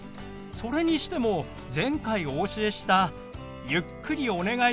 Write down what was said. それにしても前回お教えした「ゆっくりお願いします」